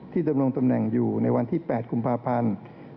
ที่ดำรวงตำแหน่งอยู่ในวันที่๘คุมภาพันธ์๒๕๖๒